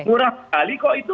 murah sekali kok itu